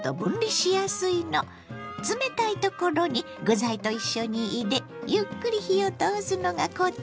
冷たいところに具材と一緒に入れゆっくり火を通すのがコツ。